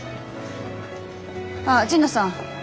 ああ神野さん。